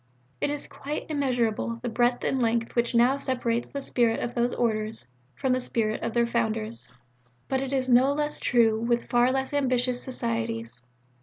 It is quite immeasurable the breadth and length which now separates the spirit of those Orders from the spirit of their Founders. But it is no less true with far less ambitious Societies."